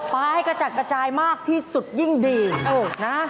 ปลาให้กระจัดกระจายมากที่สุดยิ่งดีนะ